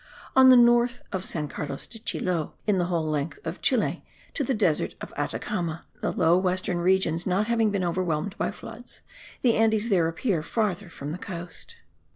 On the north of San Carlos de Chiloe, in the whole length of Chile to the desert of Atacama, the low western regions not having been overwhelmed by floods, the Andes there appear farther from the coast.